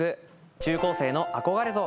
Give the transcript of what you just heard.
中・高生の憧れ像